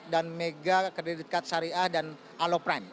dan mega credit card sari a dan aloprime